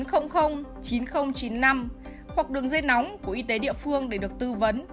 hoặc đường dây nóng của y tế địa phương để được tư vấn